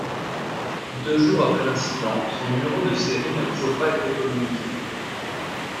Deux jours après l'accident son numéro de série n'avait toujours pas été communiqué.